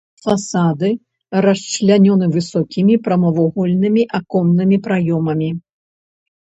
Фасады расчлянёны высокімі прамавугольнымі аконнымі праёмамі.